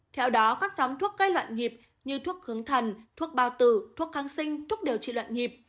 theo đó các nhóm thuốc cây loạn nhịp như thuốc hướng thần thuốc bao tử thuốc kháng sinh thuốc điều trị loạn nhịp